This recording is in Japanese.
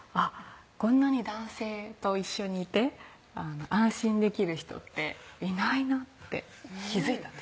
こんなに男性と一緒にいて安心できる人っていないなって気付いたんです